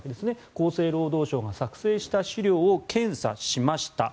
厚生労働省が作成した資料を検査しました。